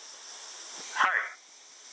はい。